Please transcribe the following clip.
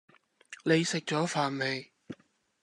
你食咗飯未？